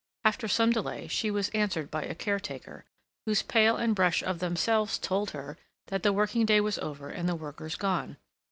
After some delay she was answered by a caretaker, whose pail and brush of themselves told her that the working day was over and the workers gone.